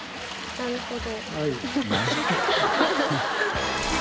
なるほど！